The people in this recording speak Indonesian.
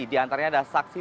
di antaranya ada saksi